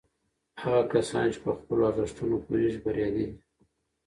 هغه کسان چې په خپلو ارزښتونو پوهیږي بریالي دي.